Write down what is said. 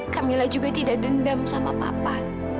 camillah juga tidak dendam sama papa